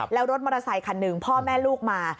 แล้วรถมอเตอร์ไซคันหนึ่งพ่อแม่ลูกมา